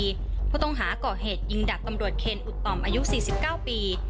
ผู้ต้องหาก่อเหตุยิงดับตำรวจเคนอุดต่อมอายุ๔๙ปี